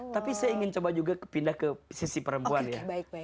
tapi saya ingin coba juga pindah ke sisi perempuan ya